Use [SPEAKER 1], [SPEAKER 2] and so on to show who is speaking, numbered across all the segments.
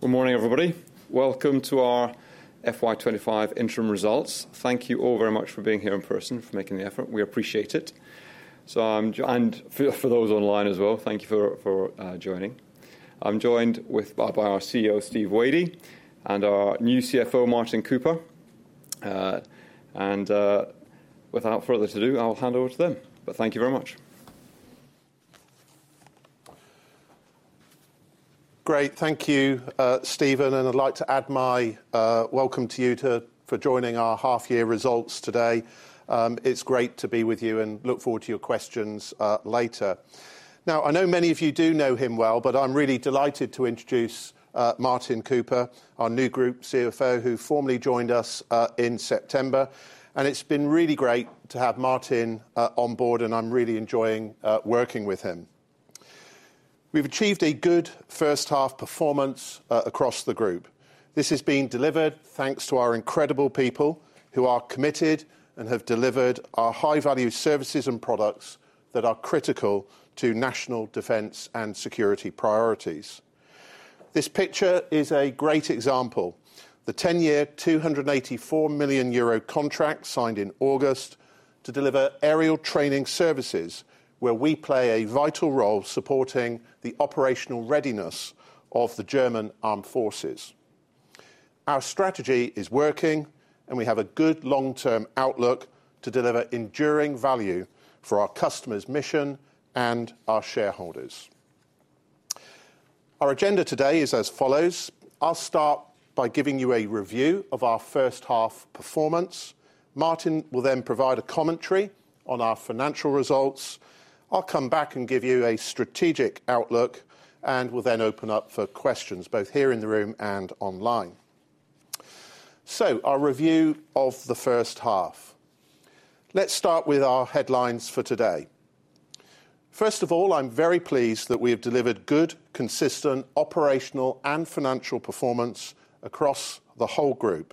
[SPEAKER 1] Good morning, everybody. Welcome to our FY25 interim results. Thank you all very much for being here in person, for making the effort. We appreciate it. So, and for those online as well, thank you for joining. I'm joined by our CEO, Steve Wadey, and our new CFO, Martin Cooper. Without further ado, I'll hand over to them. Thank you very much.
[SPEAKER 2] Great. Thank you, Stephen. And I'd like to add my welcome to you for joining our half-year results today. It's great to be with you and look forward to your questions later. Now, I know many of you do know him well, but I'm really delighted to introduce Martin Cooper, our new Group CFO, who formally joined us in September. And it's been really great to have Martin on board, and I'm really enjoying working with him. We've achieved a good first-half performance across the Group. This has been delivered thanks to our incredible people who are committed and have delivered our high-value services and products that are critical to national defense and security priorities. This picture is a great example: the 10-year, 284 million euro contract signed in August to deliver aerial training services, where we play a vital role supporting the operational readiness of the German armed forces. Our strategy is working, and we have a good long-term outlook to deliver enduring value for our customers' mission and our shareholders. Our agenda today is as follows. I'll start by giving you a review of our first-half performance. Martin will then provide a commentary on our financial results. I'll come back and give you a strategic outlook, and we'll then open up for questions, both here in the room and online. So, our review of the first half. Let's start with our headlines for today. First of all, I'm very pleased that we have delivered good, consistent operational and financial performance across the whole Group,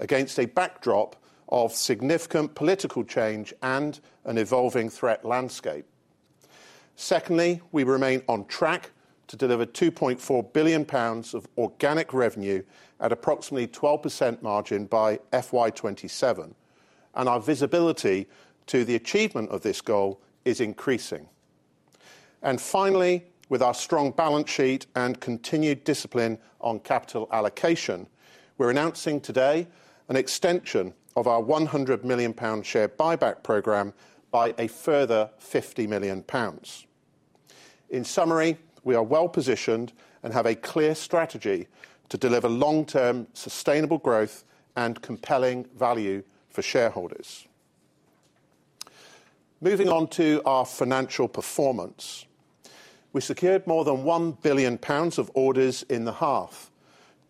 [SPEAKER 2] against a backdrop of significant political change and an evolving threat landscape. Secondly, we remain on track to deliver 2.4 billion pounds of organic revenue at approximately a 12% margin by FY2027, and our visibility to the achievement of this goal is increasing. Finally, with our strong balance sheet and continued discipline on capital allocation, we're announcing today an extension of our 100 million pound share buyback program by a further 50 million pounds. In summary, we are well positioned and have a clear strategy to deliver long-term sustainable growth and compelling value for shareholders. Moving on to our financial performance, we secured more than 1 billion pounds of orders in the half,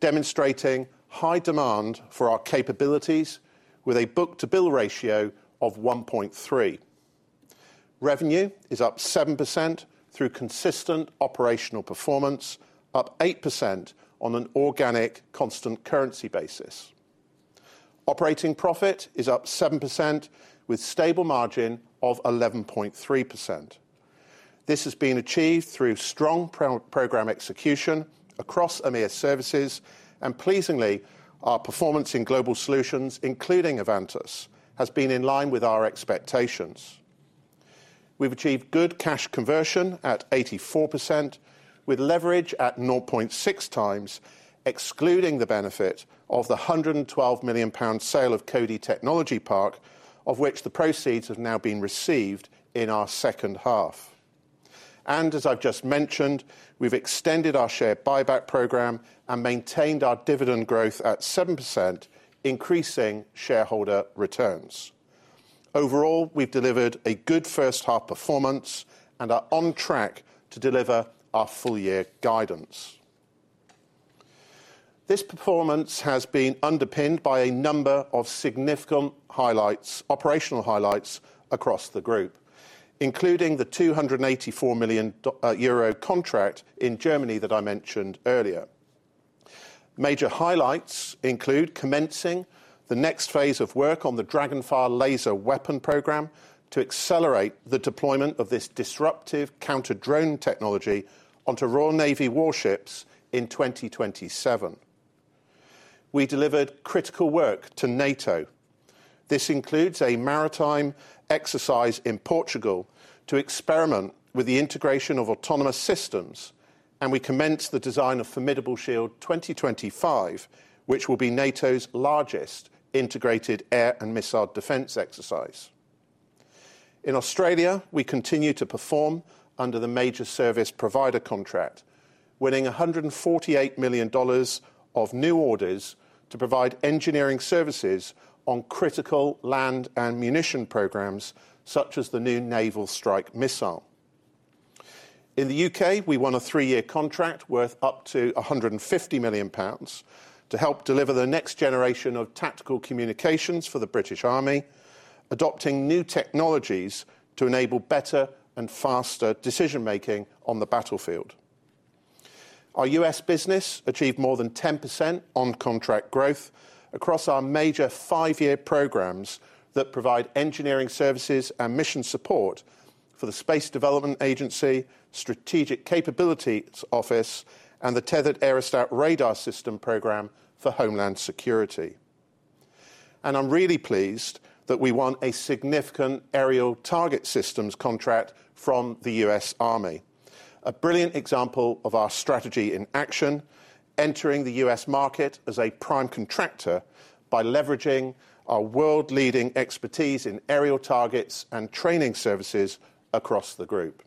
[SPEAKER 2] demonstrating high demand for our capabilities, with a book-to-bill ratio of 1.3. Revenue is up 7% through consistent operational performance, up 8% on an organic constant currency basis. Operating profit is up 7%, with a stable margin of 11.3%. This has been achieved through strong program execution across EMEA services, and pleasingly, our performance in global solutions, including Avantus, has been in line with our expectations. We've achieved good cash conversion at 84%, with leverage at 0.6 times, excluding the benefit of the 112 million pound sale of Cody Technology Park, of which the proceeds have now been received in our second half. And as I've just mentioned, we've extended our share buyback program and maintained our dividend growth at 7%, increasing shareholder returns. Overall, we've delivered a good first-half performance and are on track to deliver our full-year guidance. This performance has been underpinned by a number of significant operational highlights across the Group, including the 284 million euro contract in Germany that I mentioned earlier. Major highlights include commencing the next phase of work on the DragonFire laser weapon program to accelerate the deployment of this disruptive counter-drone technology onto Royal Navy warships in 2027. We delivered critical work to NATO. This includes a maritime exercise in Portugal to experiment with the integration of autonomous systems, and we commenced the design of Formidable Shield 2025, which will be NATO's largest integrated air and missile defense exercise. In Australia, we continue to perform under the major service provider contract, winning $148 million of new orders to provide engineering services on critical land and munition programs, such as the new Naval Strike Missile. In the U.K., we won a three-year contract worth up to 150 million pounds to help deliver the next generation of tactical communications for the British Army, adopting new technologies to enable better and faster decision-making on the battlefield. Our U.S. business achieved more than 10% on contract growth across our major five-year programs that provide engineering services and mission support for the Space Development Agency, Strategic Capabilities Office, and the Tethered Aerostat Radar System program for Homeland Security. And I'm really pleased that we won a significant aerial target systems contract from the U.S. Army, a brilliant example of our strategy in action, entering the US market as a prime contractor by leveraging our world-leading expertise in aerial targets and training services across the Group.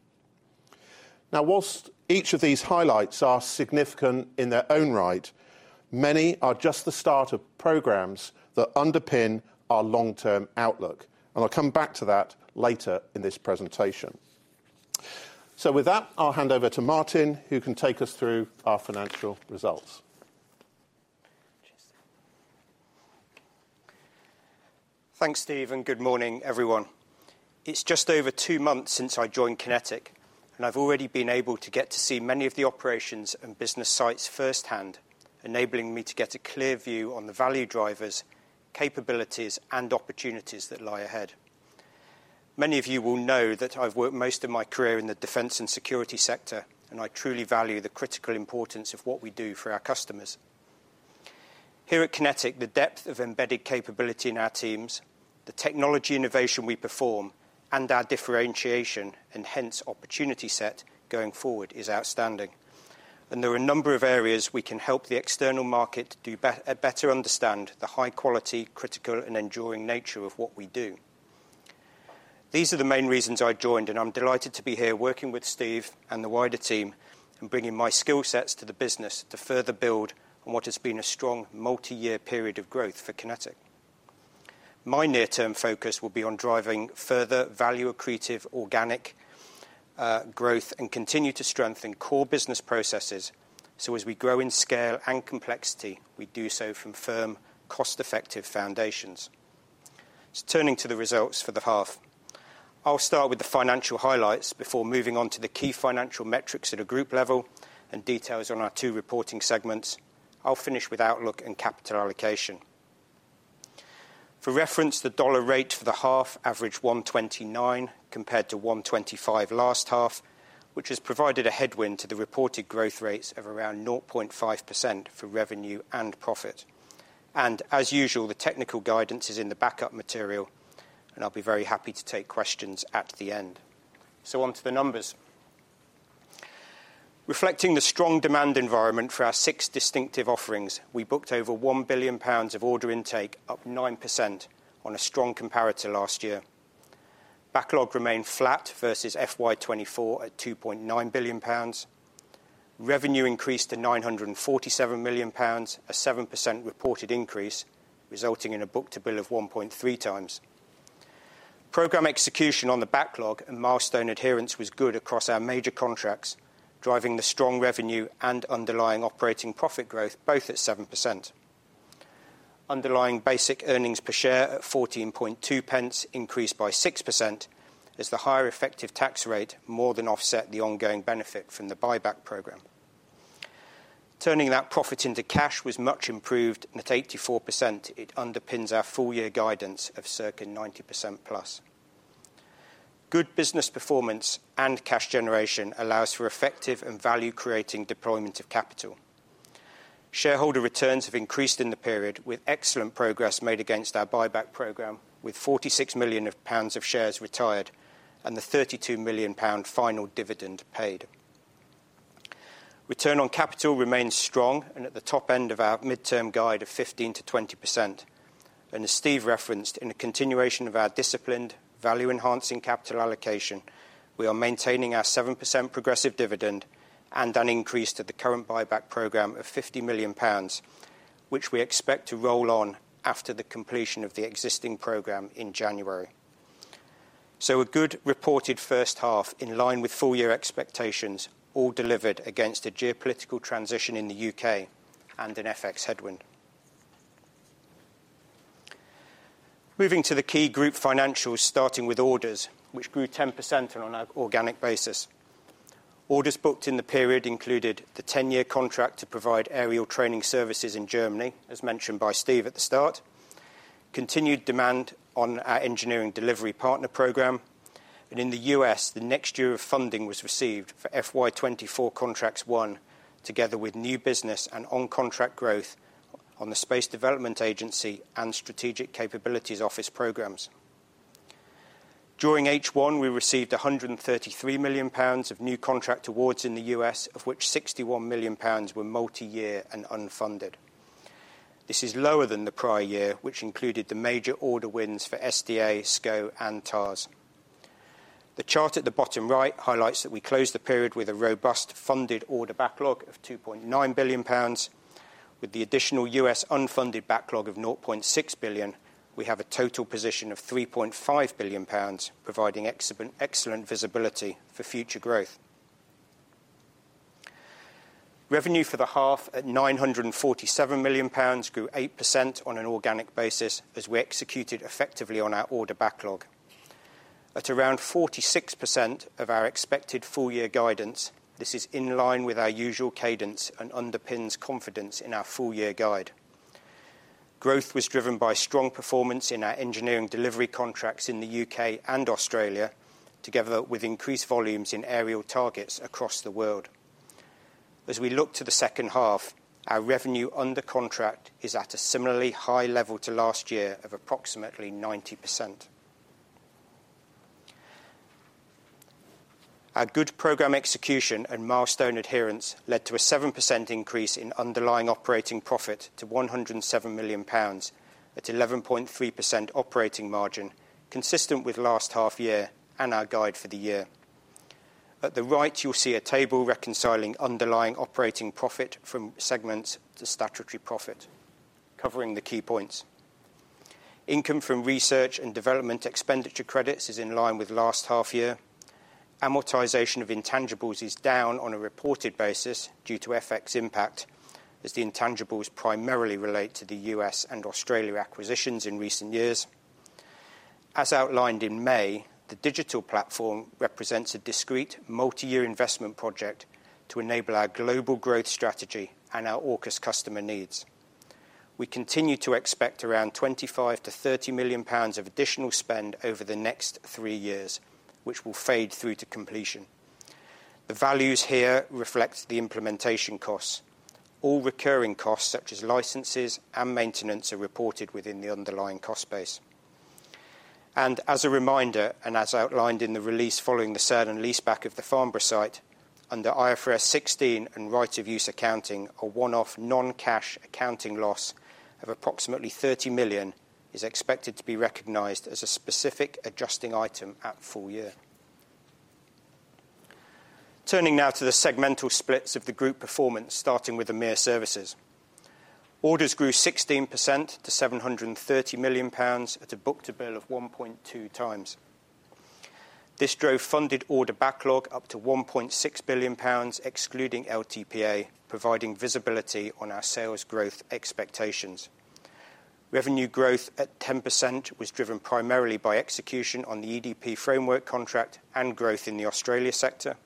[SPEAKER 2] Now, whilst each of these highlights are significant in their own right, many are just the start of programs that underpin our long-term outlook, and I'll come back to that later in this presentation. So with that, I'll hand over to Martin, who can take us through our financial results.
[SPEAKER 3] Thanks, Steve, and good morning, everyone. It's just over two months since I joined QinetiQ, and I've already been able to get to see many of the operations and business sites firsthand, enabling me to get a clear view on the value drivers, capabilities, and opportunities that lie ahead. Many of you will know that I've worked most of my career in the defense and security sector, and I truly value the critical importance of what we do for our customers. Here at QinetiQ, the depth of embedded capability in our teams, the technology innovation we perform, and our differentiation and hence opportunity set going forward is outstanding, and there are a number of areas we can help the external market to better understand the high-quality, critical, and enduring nature of what we do. These are the main reasons I joined, and I'm delighted to be here working with Steve and the wider team and bringing my skill sets to the business to further build on what has been a strong multi-year period of growth for QinetiQ. My near-term focus will be on driving further value-accretive organic growth and continue to strengthen core business processes so as we grow in scale and complexity, we do so from firm, cost-effective foundations. So turning to the results for the half, I'll start with the financial highlights before moving on to the key financial metrics at a Group level and details on our two reporting segments. I'll finish with Outlook and capital allocation. For reference, the dollar rate for the half averaged 129 compared to 125 last half, which has provided a headwind to the reported growth rates of around 0.5% for revenue and profit. As usual, the technical guidance is in the backup material, and I'll be very happy to take questions at the end. On to the numbers. Reflecting the strong demand environment for our six distinctive offerings, we booked over 1 billion pounds of order intake, up 9% on a strong comparator last year. Backlog remained flat versus FY 2024 at 2.9 billion pounds. Revenue increased to 947 million pounds, a 7% reported increase, resulting in a book-to-bill of 1.3 times. Program execution on the backlog and milestone adherence was good across our major contracts, driving the strong revenue and underlying operating profit growth, both at 7%. Underlying basic earnings per share at 14.2 pence increased by 6% as the higher effective tax rate more than offset the ongoing benefit from the buyback program. Turning that profit into cash was much improved at 84%. It underpins our full-year guidance of circa 90% +. Good business performance and cash generation allows for effective and value-creating deployment of capital. Shareholder returns have increased in the period, with excellent progress made against our buyback program, with GBP 46 million of shares retired and the GBP 32 million final dividend paid. Return on capital remains strong and at the top end of our midterm guide of 15%-20%. As Steve referenced, in a continuation of our disciplined, value-enhancing capital allocation, we are maintaining our 7% progressive dividend and an increase to the current buyback program of 50 million pounds, which we expect to roll on after the completion of the existing program in January. A good reported first half in line with full-year expectations, all delivered against a geopolitical transition in the U.K. and an FX headwind. Moving to the key Group financials, starting with orders, which grew 10% on an organic basis. Orders booked in the period included the 10-year contract to provide aerial training services in Germany, as mentioned by Steve at the start, continued demand on our Engineering Delivery Partner program, and in the U.S., the next year of funding was received for FY 2024 contracts won, together with new business and on-contract growth on the Space Development Agency and Strategic Capabilities Office programs. During H1, we received 133 million pounds of new contract awards in the U.S., of which 61 million pounds were multi-year and unfunded. This is lower than the prior year, which included the major order wins for SDA, SCO, and TARS. The chart at the bottom right highlights that we closed the period with a robust funded order backlog of 2.9 billion pounds. With the additional U.S. unfunded backlog of 0.6 billion, we have a total position of 3.5 billion pounds, providing excellent visibility for future growth. Revenue for the half at 947 million pounds grew 8% on an organic basis as we executed effectively on our order backlog. At around 46% of our expected full-year guidance, this is in line with our usual cadence and underpins confidence in our full-year guide. Growth was driven by strong performance in our engineering delivery contracts in the U.K. and Australia, together with increased volumes in aerial targets across the world. As we look to the second half, our revenue under contract is at a similarly high level to last year of approximately 90%. Our good program execution and milestone adherence led to a 7% increase in underlying operating profit to 107 million pounds at 11.3% operating margin, consistent with last half year and our guide for the year. At the right, you'll see a table reconciling underlying operating profit from segments to statutory profit, covering the key points. Income from research and development expenditure credits is in line with last half year. Amortization of intangibles is down on a reported basis due to FX impact, as the intangibles primarily relate to the US and Australia acquisitions in recent years. As outlined in May, the digital platform represents a discrete multi-year investment project to enable our global growth strategy and our AUKUS customer needs. We continue to expect around £25-£30 million of additional spend over the next three years, which will fade through to completion. The values here reflect the implementation costs. All recurring costs, such as licenses and maintenance, are reported within the underlying cost base. As a reminder, and as outlined in the release following the sale and leaseback of the Farnborough site, under IFRS 16 and right of use accounting, a one-off non-cash accounting loss of approximately £30 million is expected to be recognized as a specific adjusting item at full year. Turning now to the segmental splits of the Group performance, starting with the EMEA services. Orders grew 16% to £730 million at a book-to-bill of 1.2 times. This drove funded order backlog up to £1.6 billion, excluding LTPA, providing visibility on our sales growth expectations. Revenue growth at 10% was driven primarily by execution on the EDP framework contract and growth in the Australia sector.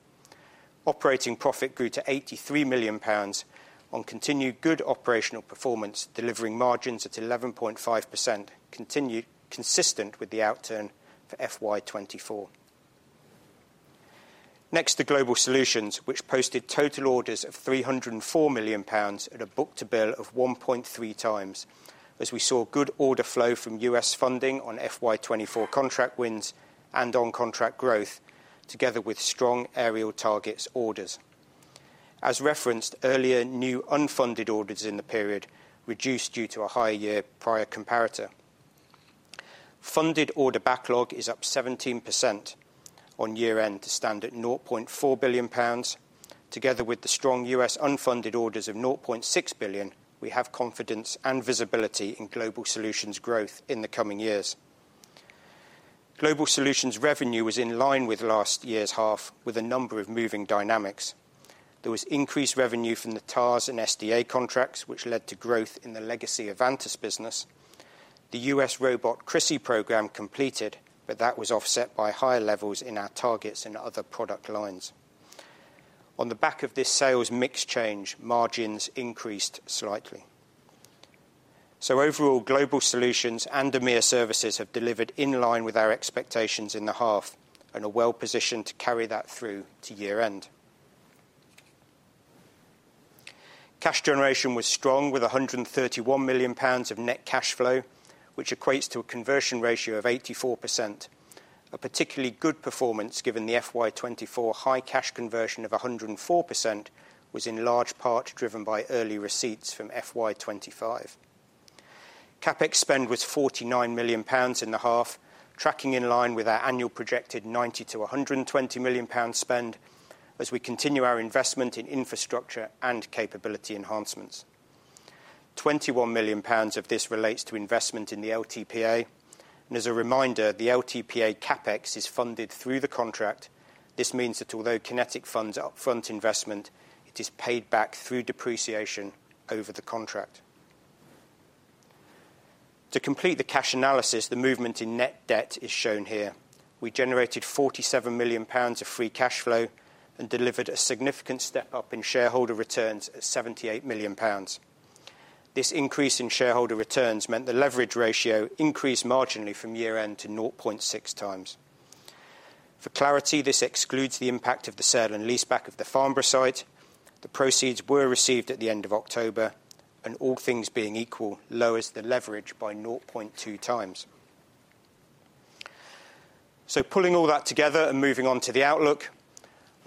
[SPEAKER 3] Operating profit grew to £83 million on continued good operational performance, delivering margins at 11.5%, consistent with the outturn for FY 2024. Next, the Global Solutions, which posted total orders of 304 million pounds at a Book-to-Bill of 1.3 times, as we saw good order flow from U.S. funding on FY 2024 contract wins and on-contract growth, together with strong aerial targets orders. As referenced earlier, new unfunded orders in the period reduced due to a higher year prior comparator. Funded order backlog is up 17% on year-end to stand at 0.4 billion pounds. Together with the strong U.S. unfunded orders of 0.6 billion, we have confidence and visibility in Global Solutions' growth in the coming years. Global Solutions' revenue was in line with last year's half with a number of moving dynamics. There was increased revenue from the TARS and SDA contracts, which led to growth in the legacy Avantus business. The U.S. robotics CRSY program completed, but that was offset by higher levels in our targets and other product lines. On the back of this sales mix change, margins increased slightly. So overall, Global Solutions and the EMEA services have delivered in line with our expectations in the half and are well positioned to carry that through to year-end. Cash generation was strong with £131 million of net cash flow, which equates to a conversion ratio of 84%. A particularly good performance given the FY 2024 high cash conversion of 104% was in large part driven by early receipts from FY 2025. CapEx spend was £49 million in the half, tracking in line with our annual projected £90-£120 million spend as we continue our investment in infrastructure and capability enhancements. £21 million of this relates to investment in the LTPA. And as a reminder, the LTPA CapEx is funded through the contract. This means that although QinetiQ funds upfront investment, it is paid back through depreciation over the contract. To complete the cash analysis, the movement in net debt is shown here. We generated £47 million of free cash flow and delivered a significant step up in shareholder returns at £78 million. This increase in shareholder returns meant the leverage ratio increased marginally from year-end to 0.6 times. For clarity, this excludes the impact of the sale and leaseback of the Farnborough site. The proceeds were received at the end of October, and all things being equal, lowers the leverage by 0.2 times. So pulling all that together and moving on to the outlook,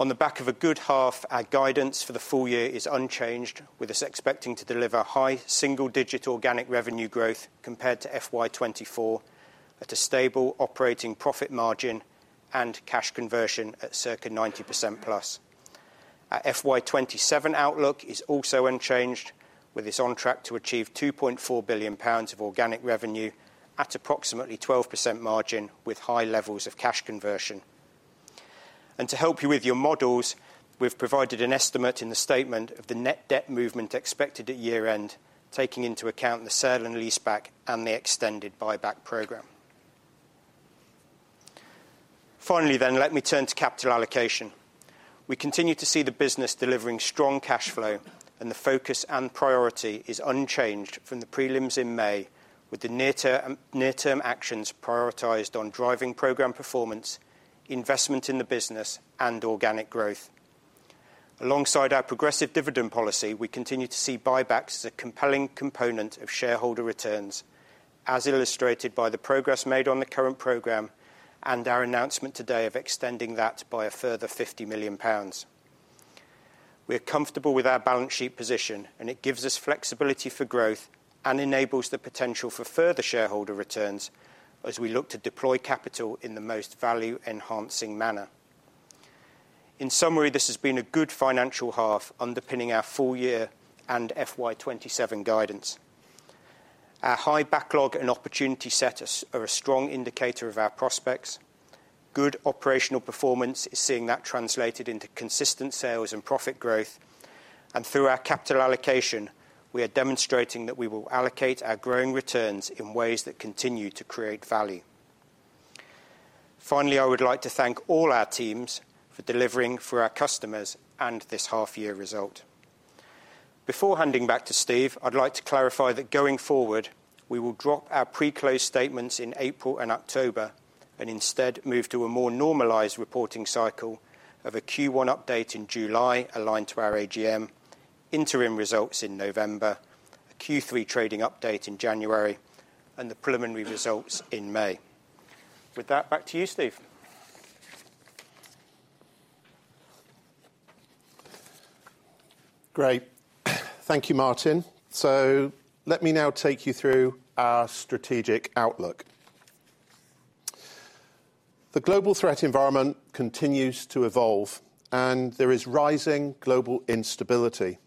[SPEAKER 3] on the back of a good half, our guidance for the full year is unchanged, with us expecting to deliver high single-digit organic revenue growth compared to FY 2024 at a stable operating profit margin and cash conversion at circa 90%+. Our FY 2027 outlook is also unchanged, with us on track to achieve 2.4 billion pounds of organic revenue at approximately 12% margin with high levels of cash conversion. And to help you with your models, we've provided an estimate in the statement of the net debt movement expected at year-end, taking into account the sale and leaseback and the extended buyback program. Finally then, let me turn to capital allocation. We continue to see the business delivering strong cash flow, and the focus and priority is unchanged from the prelims in May, with the near-term actions prioritized on driving program performance, investment in the business, and organic growth. Alongside our progressive dividend policy, we continue to see buybacks as a compelling component of shareholder returns, as illustrated by the progress made on the current program and our announcement today of extending that by a further 50 million pounds. We are comfortable with our balance sheet position, and it gives us flexibility for growth and enables the potential for further shareholder returns as we look to deploy capital in the most value-enhancing manner. In summary, this has been a good financial half underpinning our full year and FY 2027 guidance. Our high backlog and opportunity status are a strong indicator of our prospects. Good operational performance is seeing that translated into consistent sales and profit growth. And through our capital allocation, we are demonstrating that we will allocate our growing returns in ways that continue to create value. Finally, I would like to thank all our teams for delivering for our customers and this half-year result. Before handing back to Steve, I'd like to clarify that going forward, we will drop our pre-closed statements in April and October and instead move to a more normalized reporting cycle of a Q1 update in July aligned to our AGM, interim results in November, a Q3 trading update in January, and the preliminary results in May. With that, back to you, Steve. Great.
[SPEAKER 2] Thank you, Martin. So let me now take you through our strategic outlook. The global threat environment continues to evolve, and there is rising global instability.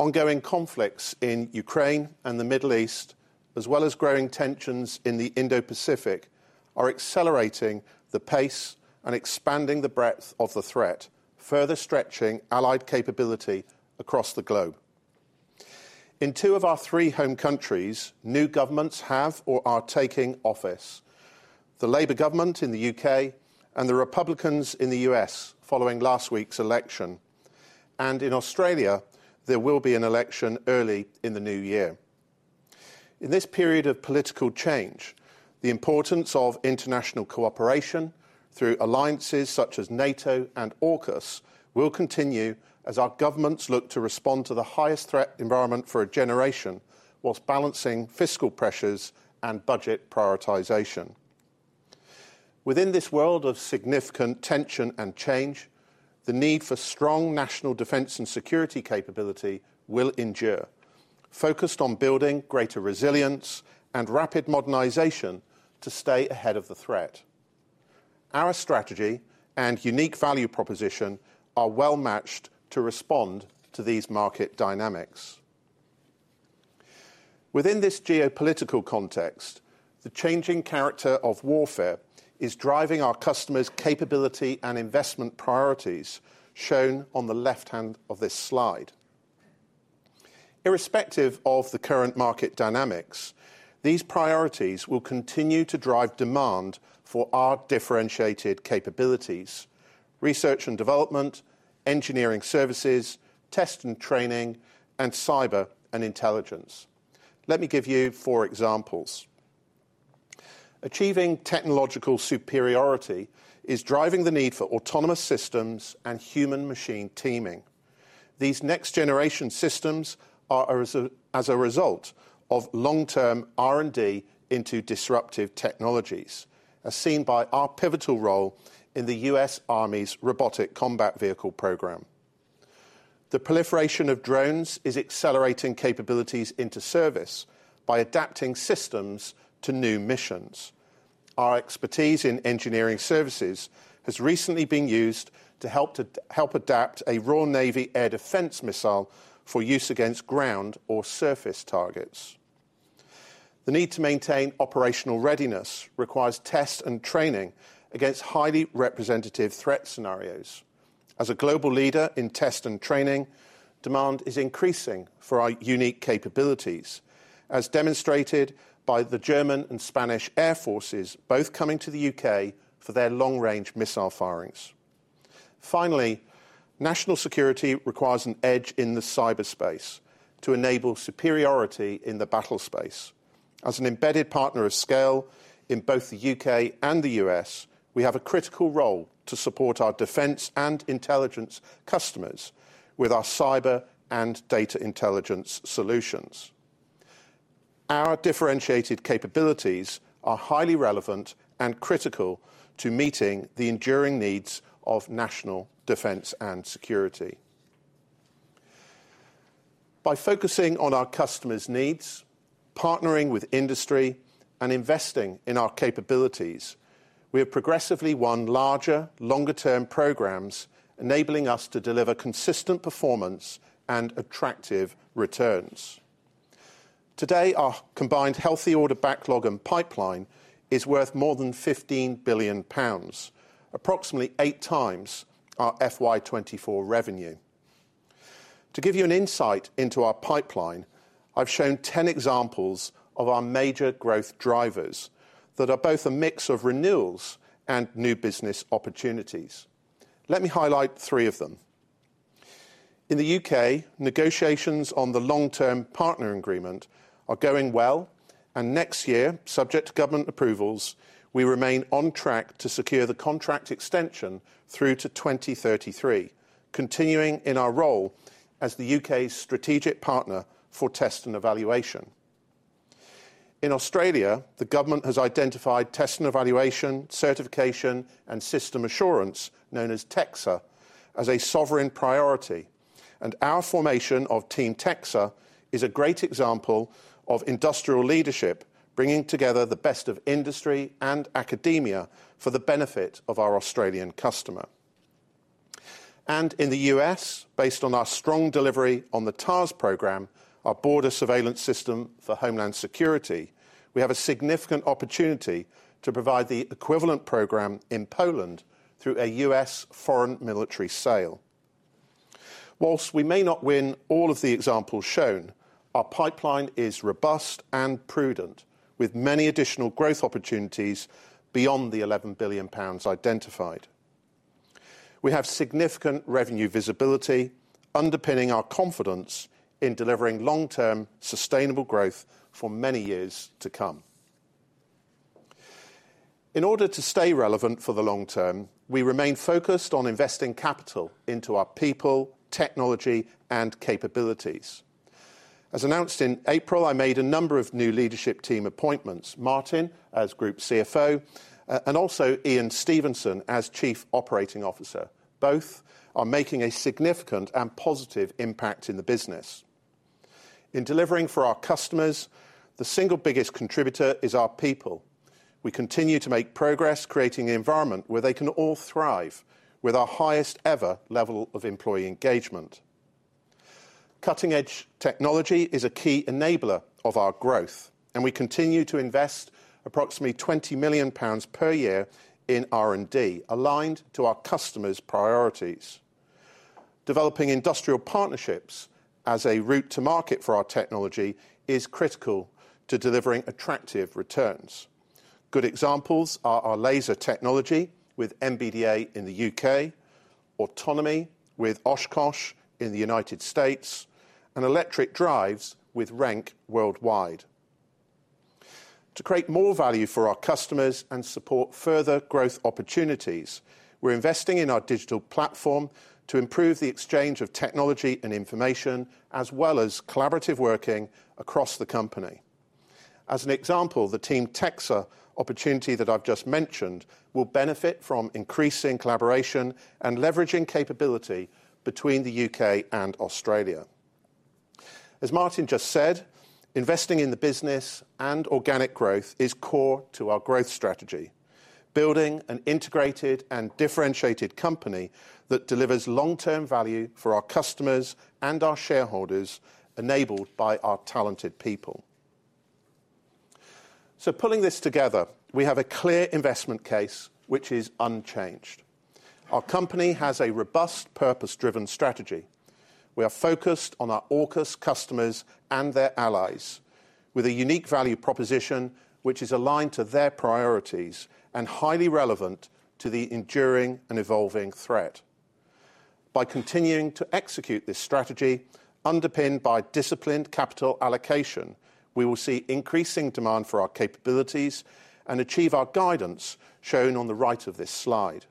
[SPEAKER 2] Ongoing conflicts in Ukraine and the Middle East, as well as growing tensions in the Indo-Pacific, are accelerating the pace and expanding the breadth of the threat, further stretching allied capability across the globe. In two of our three home countries, new governments have or are taking office: the Labour government in the U.K. and the Republicans in the U.S. following last week's election, and in Australia, there will be an election early in the new year. In this period of political change, the importance of international cooperation through alliances such as NATO and AUKUS will continue as our governments look to respond to the highest threat environment for a generation while balancing fiscal pressures and budget prioritization. Within this world of significant tension and change, the need for strong national defense and security capability will endure, focused on building greater resilience and rapid modernization to stay ahead of the threat. Our strategy and unique value proposition are well matched to respond to these market dynamics. Within this geopolitical context, the changing character of warfare is driving our customers' capability and investment priorities, shown on the left hand of this slide. Irrespective of the current market dynamics, these priorities will continue to drive demand for our differentiated capabilities: research and development, engineering services, test and training, and cyber and intelligence. Let me give you four examples. Achieving technological superiority is driving the need for autonomous systems and human-machine teaming. These next-generation systems are as a result of long-term R&D into disruptive technologies, as seen by our pivotal role in the U.S. Army's Robotic Combat Vehicle program. The proliferation of drones is accelerating capabilities into service by adapting systems to new missions. Our expertise in engineering services has recently been used to help adapt a Royal Navy air defense missile for use against ground or surface targets. The need to maintain operational readiness requires test and training against highly representative threat scenarios. As a global leader in test and training, demand is increasing for our unique capabilities, as demonstrated by the German and Spanish Air Forces, both coming to the U.K. for their long-range missile firings. Finally, national security requires an edge in the cyberspace to enable superiority in the battlespace. As an embedded partner of scale in both the U.K. and the U.S., we have a critical role to support our defense and intelligence customers with our cyber and data intelligence solutions. Our differentiated capabilities are highly relevant and critical to meeting the enduring needs of national defense and security. By focusing on our customers' needs, partnering with industry, and investing in our capabilities, we have progressively won larger, longer-term programs, enabling us to deliver consistent performance and attractive returns. Today, our combined healthy order backlog and pipeline is worth more than 15 billion pounds, approximately eight times our FY 2024 revenue. To give you an insight into our pipeline, I've shown 10 examples of our major growth drivers that are both a mix of renewals and new business opportunities. Let me highlight three of them. In the U.K., negotiations on the long-term partner agreement are going well, and next year, subject to government approvals, we remain on track to secure the contract extension through to 2033, continuing in our role as the U.K.'s strategic partner for test and evaluation. In Australia, the government has identified test and evaluation, certification, and system assurance, known as T&E CSA, as a sovereign priority, and our formation of Team T&E CSA is a great example of industrial leadership bringing together the best of industry and academia for the benefit of our Australian customer. In the U.S., based on our strong delivery on the TARS program, our Border Surveillance System for Homeland Security, we have a significant opportunity to provide the equivalent program in Poland through a U.S. foreign military sale. Whilst we may not win all of the examples shown, our pipeline is robust and prudent, with many additional growth opportunities beyond the GBP 11 billion identified. We have significant revenue visibility underpinning our confidence in delivering long-term sustainable growth for many years to come. In order to stay relevant for the long term, we remain focused on investing capital into our people, technology, and capabilities. As announced in April, I made a number of new leadership team appointments: Martin as Group CFO and also Iain Stevenson as Chief Operating Officer. Both are making a significant and positive impact in the business. In delivering for our customers, the single biggest contributor is our people. We continue to make progress, creating an environment where they can all thrive with our highest ever level of employee engagement. Cutting-edge technology is a key enabler of our growth, and we continue to invest approximately 20 million pounds per year in R&D aligned to our customers' priorities. Developing industrial partnerships as a route to market for our technology is critical to delivering attractive returns. Good examples are our laser technology with MBDA in the U.K., autonomy with Oshkosh in the United States, and electric drives with Renk worldwide. To create more value for our customers and support further growth opportunities, we're investing in our digital platform to improve the exchange of technology and information, as well as collaborative working across the company. As an example, the Team T&E CSA opportunity that I've just mentioned will benefit from increasing collaboration and leveraging capability between the U.K. and Australia. As Martin just said, investing in the business and organic growth is core to our growth strategy. Building an integrated and differentiated company that delivers long-term value for our customers and our shareholders, enabled by our talented people. So pulling this together, we have a clear investment case, which is unchanged. Our company has a robust, purpose-driven strategy. We are focused on our AUKUS customers and their allies, with a unique value proposition which is aligned to their priorities and highly relevant to the enduring and evolving threat. By continuing to execute this strategy, underpinned by disciplined capital allocation, we will see increasing demand for our capabilities and achieve our guidance shown on the right of this slide: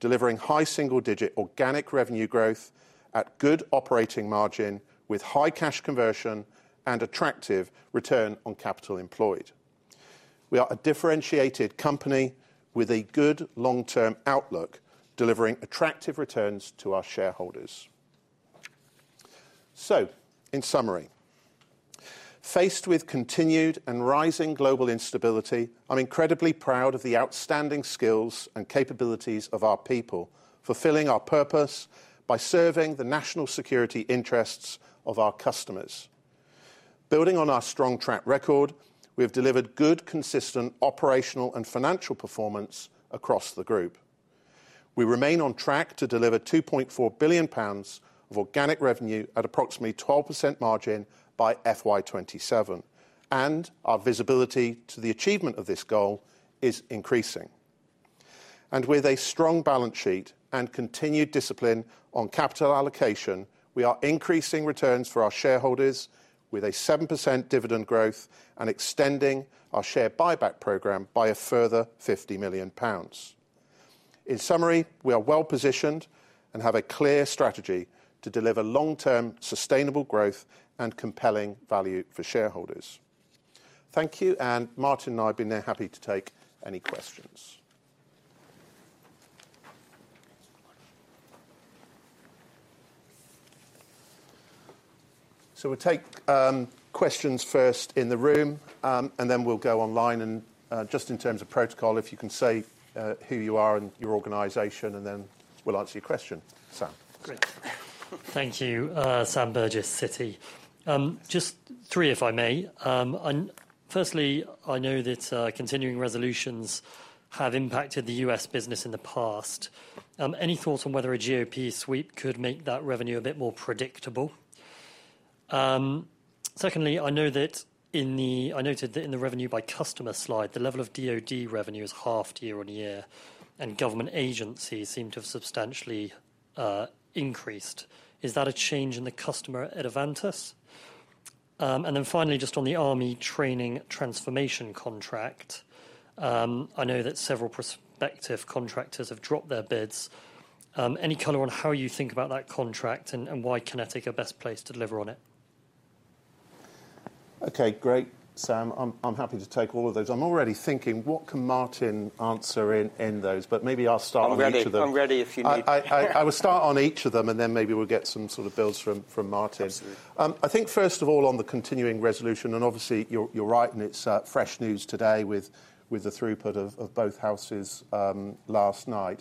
[SPEAKER 2] delivering high single-digit organic revenue growth at good operating margin with high cash conversion and attractive return on capital employed. We are a differentiated company with a good long-term outlook, delivering attractive returns to our shareholders. So, in summary, faced with continued and rising global instability, I'm incredibly proud of the outstanding skills and capabilities of our people, fulfilling our purpose by serving the national security interests of our customers. Building on our strong track record, we have delivered good, consistent operational and financial performance across the group. We remain on track to deliver 2.4 billion pounds of organic revenue at approximately 12% margin by FY 2027, and our visibility to the achievement of this goal is increasing. And with a strong balance sheet and continued discipline on capital allocation, we are increasing returns for our shareholders with a 7% dividend growth and extending our share buyback program by a further 50 million pounds. In summary, we are well positioned and have a clear strategy to deliver long-term sustainable growth and compelling value for shareholders. Thank you, and Martin and I have been happy to take any questions.
[SPEAKER 3] So we'll take questions first in the room, and then we'll go online. And just in terms of protocol, if you can say who you are and your organization, and then we'll answer your question. Sam. Great.
[SPEAKER 4] Thank you, Sam Burgess, Citi. Just three, if I may. Firstly, I know that continuing resolutions have impacted the U.S. business in the past. Any thoughts on whether a GOP sweep could make that revenue a bit more predictable? Secondly, I know that I noted that in the revenue by customer slide, the level of DoD revenue is halved year on year, and government agencies seem to have substantially increased. Is that a change in the customer at Avantus? And then finally, just on the Army training transformation contract, I know that several prospective contractors have dropped their bids. Any color on how you think about that contract and why QinetiQ are best placed to deliver on it?
[SPEAKER 2] Okay, great, Sam. I'm happy to take all of those. I'm already thinking, what can Martin answer in those? But maybe I'll start on each of them.
[SPEAKER 3] I'm ready if you need to.
[SPEAKER 2] I will start on each of them, and then maybe we'll get some sort of builds from Martin. I think, first of all, on the continuing resolution, and obviously you're right, and it's fresh news today with the passage through both houses last night.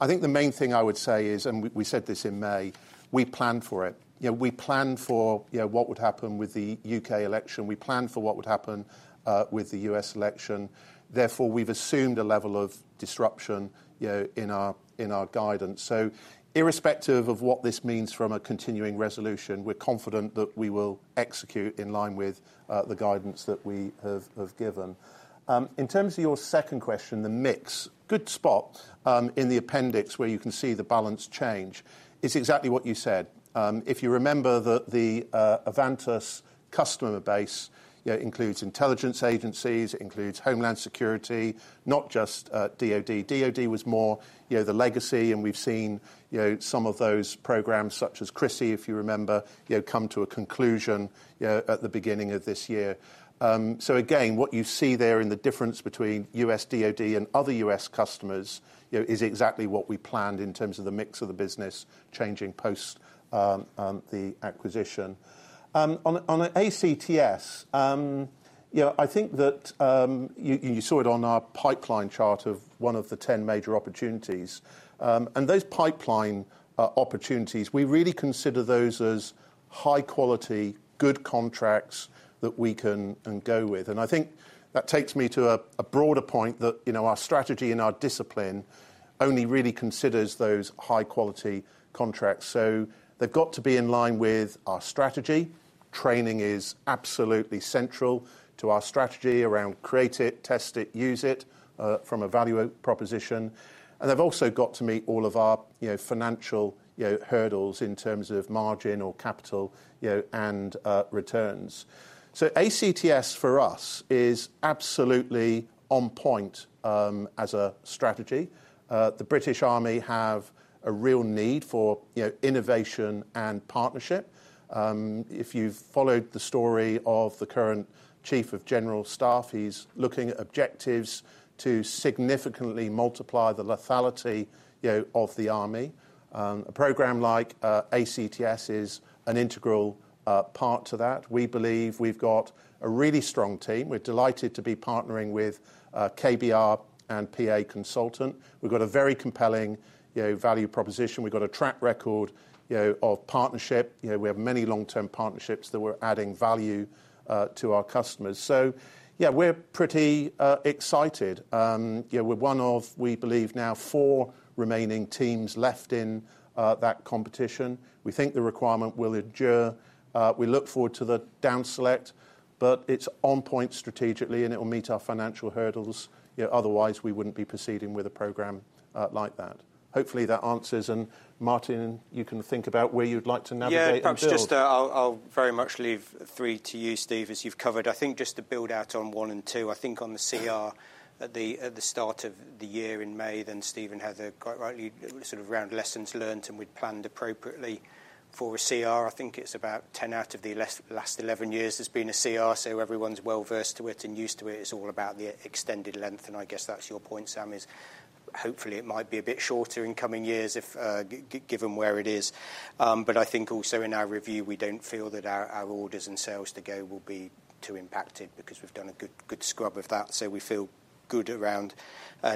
[SPEAKER 2] I think the main thing I would say is, and we said this in May, we planned for it. We planned for what would happen with the U.K. election. We planned for what would happen with the U.S. election. Therefore, we've assumed a level of disruption in our guidance. So, irrespective of what this means from a continuing resolution, we're confident that we will execute in line with the guidance that we have given. In terms of your second question, the mix, good spot in the appendix where you can see the balance change, is exactly what you said. If you remember that the Avantus customer base includes intelligence agencies, it includes Homeland Security, not just DOD. DOD was more the legacy, and we've seen some of those programs, such as CRSY, if you remember, come to a conclusion at the beginning of this year. So again, what you see there in the difference between U.S. DOD and other U.S. customers is exactly what we planned in terms of the mix of the business changing post the acquisition. On ACTS, I think that you saw it on our pipeline chart of one of the 10 major opportunities. And those pipeline opportunities, we really consider those as high-quality, good contracts that we can go with. And I think that takes me to a broader point that our strategy and our discipline only really considers those high-quality contracts. So they've got to be in line with our strategy. Training is absolutely central to our strategy around create it, test it, use it from a value proposition. They've also got to meet all of our financial hurdles in terms of margin or capital and returns. ACTS for us is absolutely on point as a strategy. The British Army have a real need for innovation and partnership. If you've followed the story of the current Chief of General Staff, he's looking at objectives to significantly multiply the lethality of the Army. A program like ACTS is an integral part to that. We believe we've got a really strong team. We're delighted to be partnering with KBR and PA Consulting. We've got a very compelling value proposition. We've got a track record of partnership. We have many long-term partnerships that we're adding value to our customers. Yeah, we're pretty excited. We're one of, we believe now, four remaining teams left in that competition. We think the requirement will endure. We look forward to the down select, but it's on point strategically, and it will meet our financial hurdles. Otherwise, we wouldn't be proceeding with a program like that. Hopefully, that answers. And Martin, you can think about where you'd like to navigate.
[SPEAKER 3] Yeah, perhaps just I'll very much leave three to you, Steve, as you've covered. I think just to build out on one and two. I think on the CR at the start of the year in May, then Steve and Heather quite rightly sort of round lessons learned and we'd planned appropriately for a CR. I think it's about ten out of the last 11 years there's been a CR, so everyone's well versed to it and used to it. It's all about the extended length. And I guess that's your point, Sam, is hopefully it might be a bit shorter in coming years given where it is. But I think also in our review, we don't feel that our orders and sales to go will be too impacted because we've done a good scrub of that. So we feel good around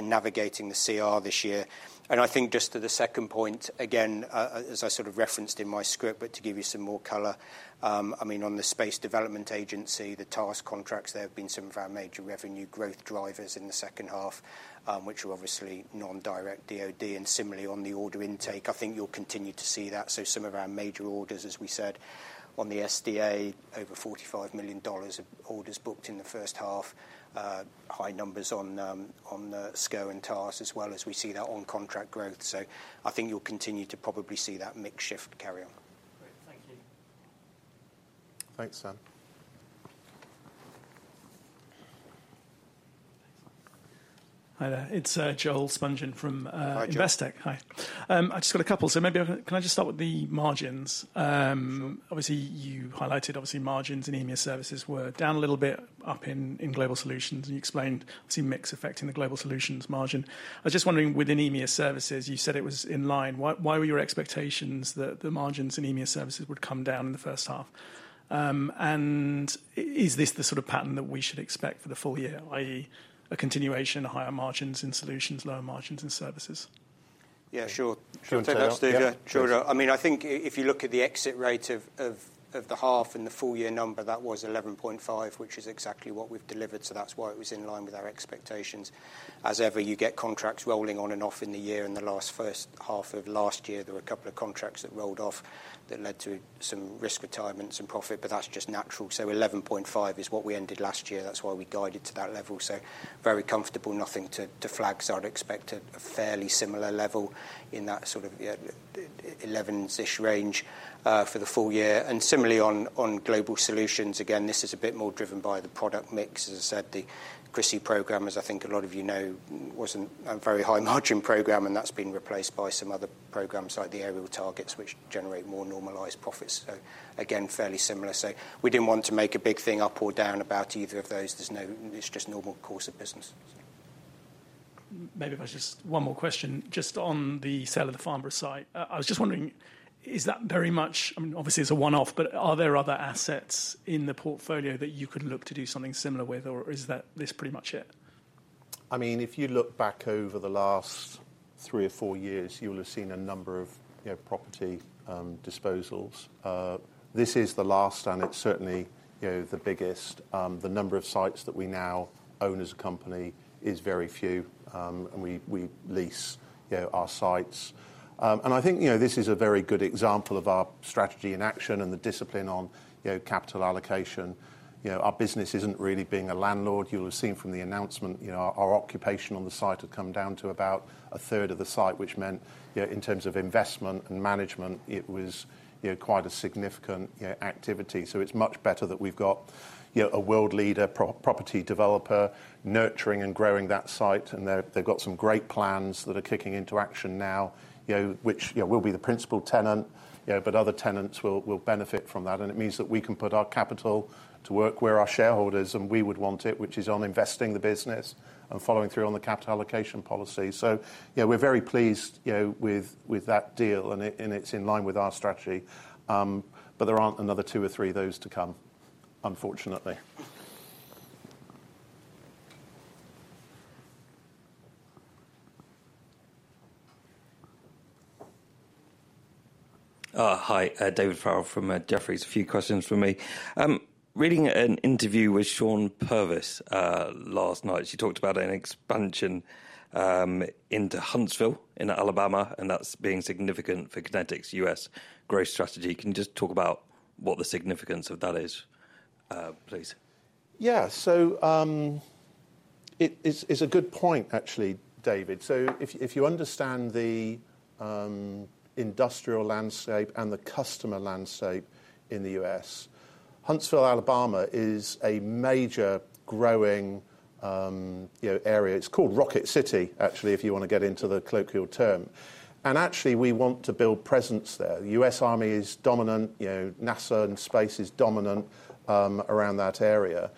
[SPEAKER 3] navigating the CR this year. And I think just to the second point, again, as I sort of referenced in my script, but to give you some more color, I mean, on the Space Development Agency, the TARS contracts, there have been some of our major revenue growth drivers in the second half, which are obviously non-direct DOD. And similarly, on the order intake, I think you'll continue to see that. So some of our major orders, as we said, on the SDA, over $45 million of orders booked in the first half, high numbers on SCO and TARS, as well as we see that on contract growth. So I think you'll continue to probably see that mix shift carry on.
[SPEAKER 4] Great. Thank you.
[SPEAKER 2] Thanks, Sam.
[SPEAKER 5] Hi there. It's Joel Spungin from Investec. Hi. I just got a couple. So maybe can I just start with the margins? Obviously, you highlighted obviously margins in EMEA services were down a little bit up in Global Solutions. And you explained obviously mix affecting the Global Solutions margin. I was just wondering within EMEA services, you said it was in line. Why were your expectations that the margins in EMEA services would come down in the first half? Is this the sort of pattern that we should expect for the full year, i.e., a continuation, higher margins in solutions, lower margins in services?
[SPEAKER 3] Yeah, sure. Sure. I mean, I think if you look at the exit rate of the half in the full year number, that was 11.5, which is exactly what we've delivered. So that's why it was in line with our expectations. As ever, you get contracts rolling on and off in the year. In the last first half of last year, there were a couple of contracts that rolled off that led to some risk retirements and profit, but that's just natural. So 11.5 is what we ended last year. That's why we guided to that level. So very comfortable, nothing to flag. So I'd expect a fairly similar level in that sort of 11s-ish range for the full year. And similarly on Global Solutions, again, this is a bit more driven by the product mix. As I said, the CRSY program, as I think a lot of you know, was a very high margin program, and that's been replaced by some other programs like the aerial targets, which generate more normalized profits. So again, fairly similar. So we didn't want to make a big thing up or down about either of those. There's no, it's just normal course of business.
[SPEAKER 5] Maybe if I just one more question, just on the sale of the Farnborough site. I was just wondering, is that very much? I mean, obviously it's a one-off, but are there other assets in the portfolio that you could look to do something similar with, or is that this pretty much it?
[SPEAKER 2] I mean, if you look back over the last three or four years, you will have seen a number of property disposals. This is the last, and it's certainly the biggest. The number of sites that we now own as a company is very few, and we lease our sites. And I think this is a very good example of our strategy in action and the discipline on capital allocation. Our business isn't really being a landlord. You'll have seen from the announcement, our occupation on the site had come down to about a third of the site, which meant in terms of investment and management, it was quite a significant activity. So it's much better that we've got a world leader property developer nurturing and growing that site. And they've got some great plans that are kicking into action now, which will be the principal tenant, but other tenants will benefit from that. And it means that we can put our capital to work where our shareholders and we would want it, which is on investing the business and following through on the capital allocation policy. So we're very pleased with that deal, and it's in line with our strategy. But there aren't another two or three of those to come, unfortunately.
[SPEAKER 6] Hi, David Farrell from Jefferies. A few questions from me. Reading an interview with Shawn Purvis last night, he talked about an expansion into Huntsville in Alabama, and that's of significance for QinetiQ's U.S. growth strategy. Can you just talk about what the significance of that is, please?
[SPEAKER 2] Yeah, so it's a good point, actually, David. So if you understand the industrial landscape and the customer landscape in the U.S., Huntsville, Alabama is a major growing area. It's called Rocket City, actually, if you want to get into the colloquial term. And actually, we want to build presence there. The U.S. Army is dominant. NASA and space is dominant around that area.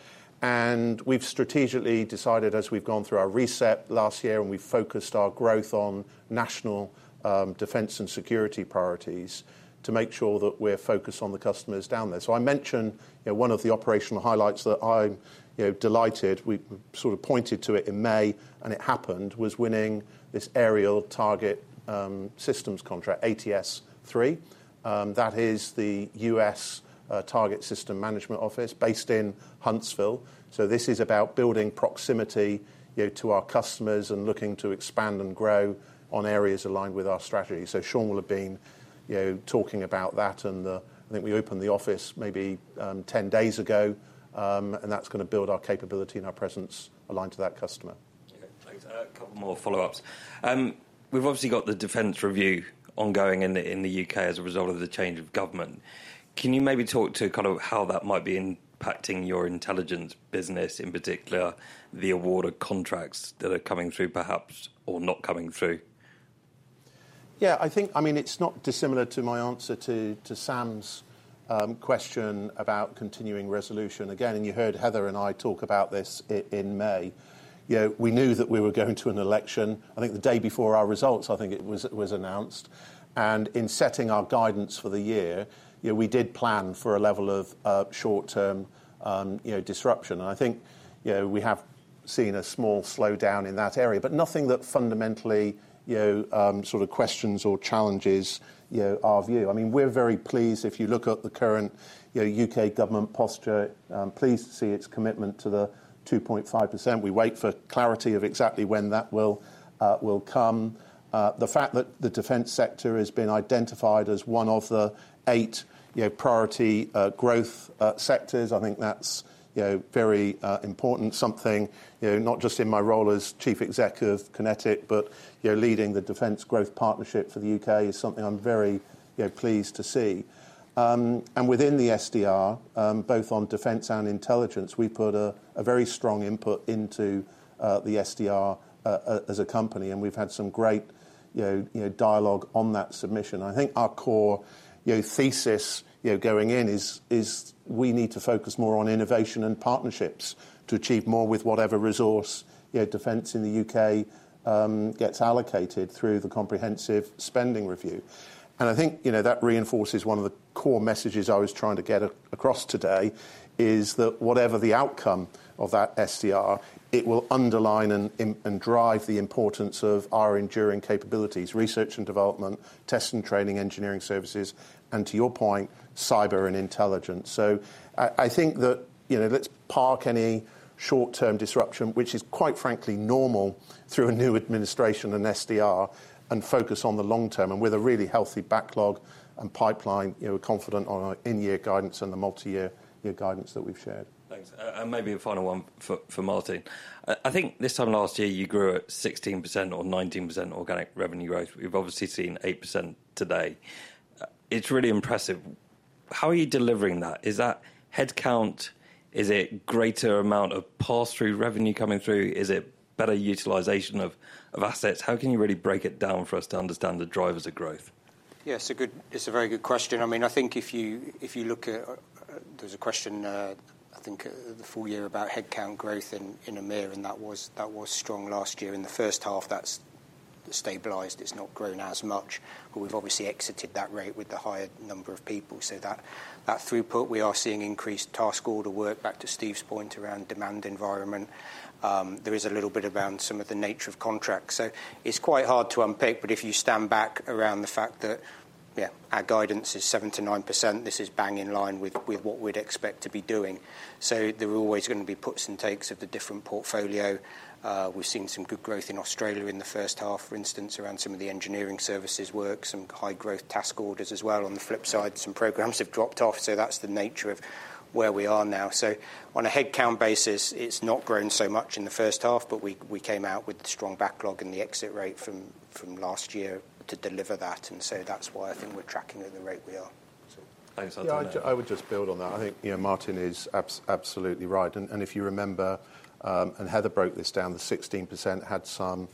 [SPEAKER 2] And we've strategically decided, as we've gone through our reset last year, and we've focused our growth on national defense and security priorities to make sure that we're focused on the customers down there. So I mentioned one of the operational highlights that I'm delighted we sort of pointed to it in May, and it happened, was winning this Aerial Target Systems contract, ATS-3. That is the U.S. Target Systems Management Office based in Huntsville. So this is about building proximity to our customers and looking to expand and grow on areas aligned with our strategy. So Shawn will have been talking about that. And I think we opened the office maybe ten days ago, and that's going to build our capability and our presence aligned to that customer.
[SPEAKER 6] Okay, thanks. A couple more follow-ups. We've obviously got the defense review ongoing in the U.K. as a result of the change of government. Can you maybe talk to kind of how that might be impacting your intelligence business, in particular the award of contracts that are coming through perhaps or not coming through?
[SPEAKER 2] Yeah, I think, I mean, it's not dissimilar to my answer to Sam's question about Continuing Resolution. Again, and you heard Heather and I talk about this in May. We knew that we were going to an election. I think the day before our results, I think it was announced. In setting our guidance for the year, we did plan for a level of short-term disruption. I think we have seen a small slowdown in that area, but nothing that fundamentally sort of questions or challenges our view. I mean, we're very pleased if you look at the current U.K. government posture, pleased to see its commitment to the 2.5%. We wait for clarity of exactly when that will come. The fact that the defense sector has been identified as one of the eight priority growth sectors, I think that's very important. Something not just in my role as Chief Executive QinetiQ, but leading the Defense Growth Partnership for the U.K. is something I'm very pleased to see. And within the SDR, both on defense and intelligence, we put a very strong input into the SDR as a company, and we've had some great dialogue on that submission. I think our core thesis going in is we need to focus more on innovation and partnerships to achieve more with whatever resource defense in the UK gets allocated through the comprehensive spending review. And I think that reinforces one of the core messages I was trying to get across today is that whatever the outcome of that SDR, it will underline and drive the importance of our enduring capabilities, research and development, test and training, engineering services, and to your point, cyber and intelligence. So I think that let's park any short-term disruption, which is quite frankly normal through a new administration and SDR, and focus on the long term. With a really healthy backlog and pipeline, we're confident on our in-year guidance and the multi-year guidance that we've shared. Thanks.
[SPEAKER 6] Maybe a final one for Martin. I think this time last year you grew at 16% or 19% organic revenue growth. We've obviously seen 8% today. It's really impressive. How are you delivering that? Is that headcount, is it greater amount of pass-through revenue coming through? Is it better utilization of assets? How can you really break it down for us to understand the drivers of growth?
[SPEAKER 3] Yeah, it's a very good question. I mean, I think if you look at, there's a question, I think, the full year about headcount growth in EMEA, and that was strong last year. In the first half, that's stabilized. It's not grown as much. But we've obviously exited that rate with the higher number of people. So that throughput, we are seeing increased task order work back to Steve's point around demand environment. There is a little bit around some of the nature of contracts. So it's quite hard to unpick, but if you stand back around the fact that, yeah, our guidance is 7%-9%, this is bang in line with what we'd expect to be doing. So there are always going to be puts and takes of the different portfolio. We've seen some good growth in Australia in the first half, for instance, around some of the engineering services work, some high-growth task orders as well. On the flip side, some programs have dropped off. So that's the nature of where we are now. So on a headcount basis, it's not grown so much in the first half, but we came out with the strong backlog and the exit rate from last year to deliver that. And so that's why I think we're tracking at the rate we are. Thanks, Anthony.
[SPEAKER 2] Yeah, I would just build on that. I think Martin is absolutely right. And if you remember, and Heather broke this down, the 16% had some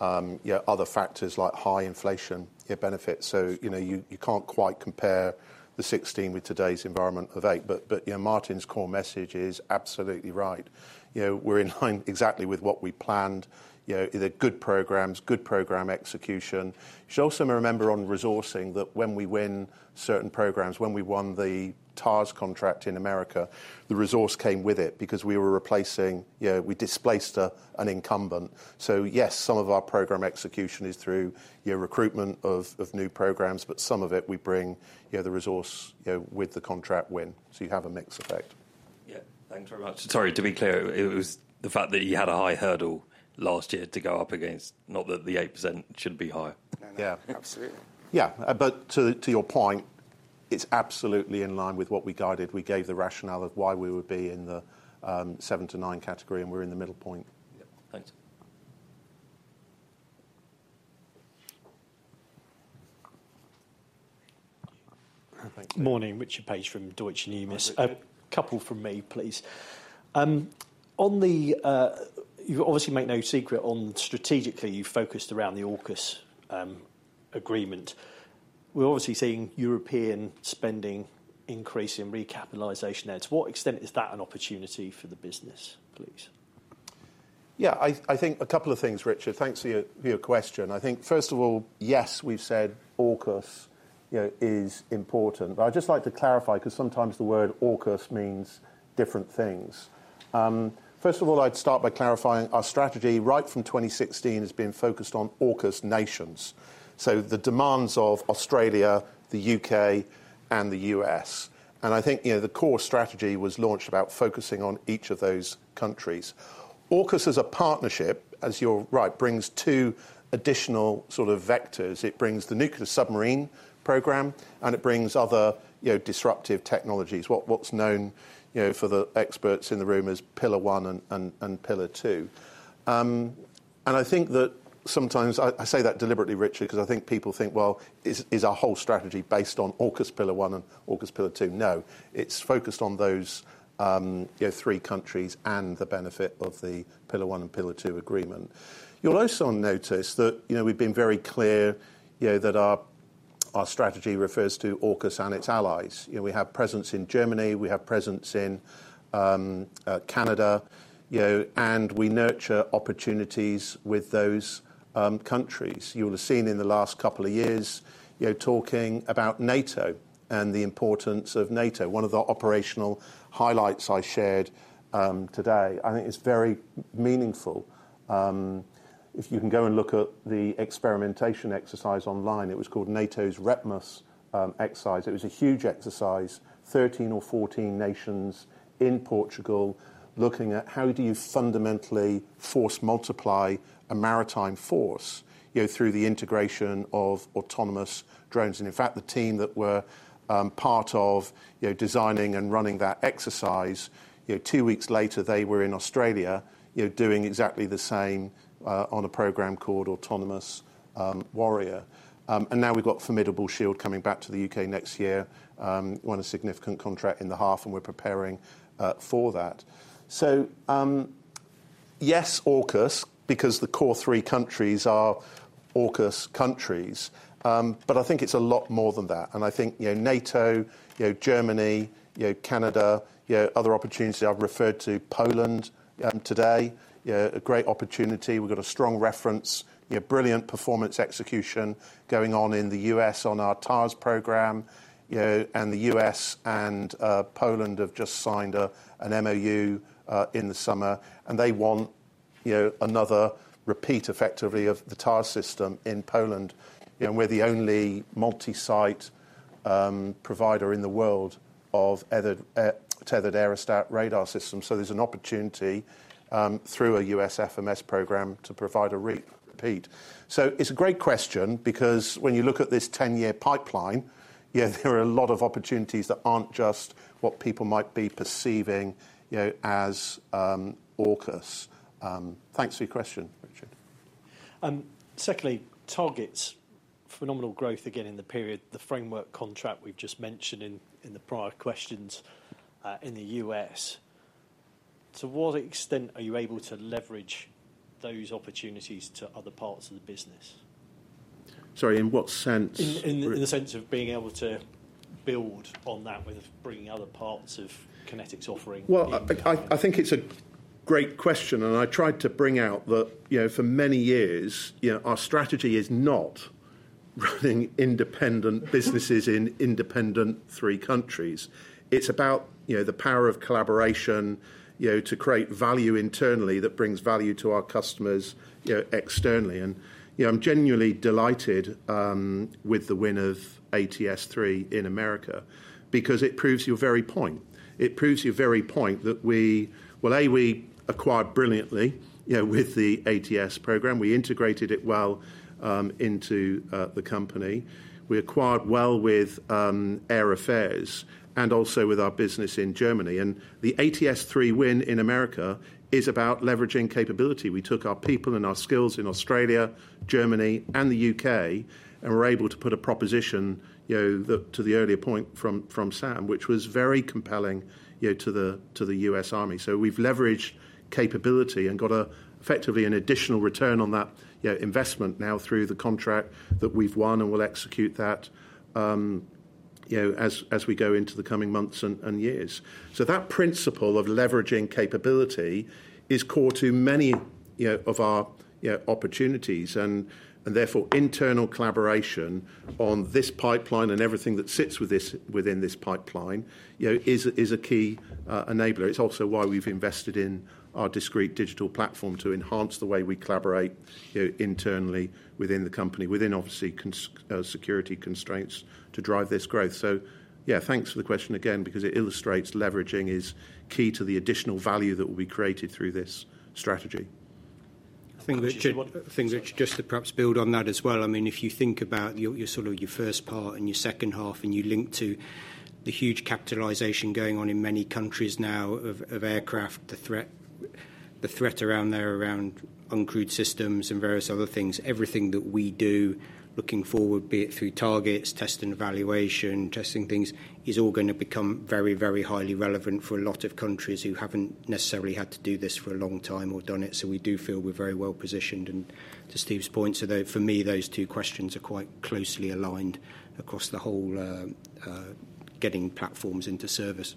[SPEAKER 2] other factors like high inflation benefits. So you can't quite compare the 16% with today's environment of 8%. But Martin's core message is absolutely right. We're in line exactly with what we planned. The good programs, good program execution. You should also remember on resourcing that when we win certain programs, when we won the TARS contract in America, the resource came with it because we were replacing, we displaced an incumbent. So yes, some of our program execution is through recruitment of new programs, but some of it we bring the resource with the contract win. So you have a mixed effect.
[SPEAKER 6] Yeah, thanks very much.
[SPEAKER 2] Sorry, to be clear, it was the fact that you had a high hurdle last year to go up against, not that the 8% should be higher. Yeah, absolutely. Yeah, but to your point, it's absolutely in line with what we guided. We gave the rationale of why we would be in the seven to nine category, and we're in the middle point.
[SPEAKER 6] Thanks.
[SPEAKER 7] Good morning, Richard Page from Deutsche Numis. A couple from me, please. You obviously make no secret on strategically you focused around the AUKUS agreement. We're obviously seeing European spending increase in recapitalization there. To what extent is that an opportunity for the business, please?
[SPEAKER 3] Yeah, I think a couple of things, Richard. Thanks for your question. I think, first of all, yes, we've said AUKUS is important. But I'd just like to clarify because sometimes the word AUKUS means different things. First of all, I'd start by clarifying our strategy right from 2016 has been focused on AUKUS nations. So the demands of Australia, the U.K., and the U.S. And I think the core strategy was launched about focusing on each of those countries. AUKUS, as a partnership, as you're right, brings two additional sort of vectors. It brings the nuclear submarine program, and it brings other disruptive technologies, what's known for the experts in the room as pillar one and pillar two. And I think that sometimes I say that deliberately, Richard, because I think people think, well, is our whole strategy based on AUKUS pillar one and AUKUS pillar two? No. It's focused on those three countries and the benefit of the pillar one and pillar two agreement. You'll also notice that we've been very clear that our strategy refers to AUKUS and its allies. We have presence in Germany. We have presence in Canada and we nurture opportunities with those countries. You will have seen in the last couple of years talking about NATO and the importance of NATO. One of the operational highlights I shared today, I think it's very meaningful. If you can go and look at the experimentation exercise online, it was called NATO's REPMUS exercise. It was a huge exercise, 13 or 14 nations in Portugal looking at how do you fundamentally force multiply a maritime force through the integration of autonomous drones. In fact, the team that were part of designing and running that exercise, two weeks later, they were in Australia doing exactly the same on a program called Autonomous Warrior. Now we've got Formidable Shield coming back to the U.K. next year, won a significant contract in the half, and we're preparing for that. Yes, AUKUS, because the core three countries are AUKUS countries. I think it's a lot more than that. I think NATO, Germany, Canada, other opportunities. I've referred to Poland today, a great opportunity. We've got a strong reference, brilliant performance execution going on in the U.S. on our TARS program. The U.S. and Poland have just signed an MoU in the summer. They want another repeat, effectively, of the TARS system in Poland. We're the only multi-site provider in the world of tethered aerostat radar systems. There's an opportunity through a US FMS program to provide a repeat. It's a great question because when you look at this ten-year pipeline, there are a lot of opportunities that aren't just what people might be perceiving as AUKUS. Thanks for your question, Richard. Secondly, targets, phenomenal growth again in the period, the framework contract we've just mentioned in the prior questions in the US. To what extent are you able to leverage those opportunities to other parts of the business? Sorry, in what sense? In the sense of being able to build on that with bringing other parts of QinetiQ's offering. I think it's a great question. I tried to bring out that for many years, our strategy is not running independent businesses in independent three countries. It's about the power of collaboration to create value internally that brings value to our customers externally. I'm genuinely delighted with the win of ATS-3 in America because it proves your very point. It proves your very point that we, well, A, we acquired brilliantly with the ATS program. We integrated it well into the company. We acquired well with Air Affairs and also with our business in Germany. The ATS-3 win in America is about leveraging capability. We took our people and our skills in Australia, Germany, and the U.K., and we're able to put a proposition to the earlier point from Sam, which was very compelling to the U.S. Army. We've leveraged capability and got effectively an additional return on that investment now through the contract that we've won, and we'll execute that as we go into the coming months and years. That principle of leveraging capability is core to many of our opportunities. And therefore, internal collaboration on this pipeline and everything that sits within this pipeline is a key enabler. It's also why we've invested in our discrete digital platform to enhance the way we collaborate internally within the company, within obviously security constraints to drive this growth. So yeah, thanks for the question again because it illustrates leveraging is key to the additional value that will be created through this strategy.
[SPEAKER 2] I think, Richard, just to perhaps build on that as well. I mean, if you think about your sort of your first part and your second half and you link to the huge capitalization going on in many countries now of aircraft, the threat around there around uncrewed systems and various other things, everything that we do looking forward, be it through targets, test and evaluation, testing things, is all going to become very, very highly relevant for a lot of countries who haven't necessarily had to do this for a long time or done it. So we do feel we're very well positioned. And to Steve's point, so for me, those two questions are quite closely aligned across the whole getting platforms into service.